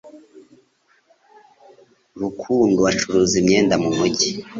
rukundo acuruza imyenda mu mugi